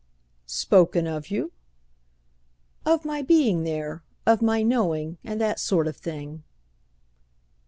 "Spoken of you?" "Of my being there—of my knowing, and that sort of thing."